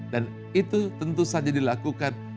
dan itu tentu saja dilakukan